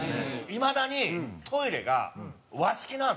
いまだにトイレが和式なんですよね。